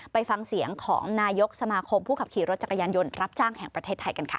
ไปฟังเสียงของนายกสมาคมผู้ขับขี่รถจักรยานยนต์รับจ้างแห่งประเทศไทยกันค่ะ